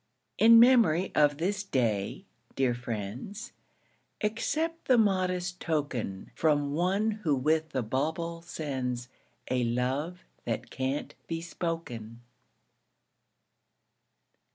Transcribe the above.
In memory of this Day, dear friends, Accept the modest token From one who with the bauble sends A love that can't be spoken.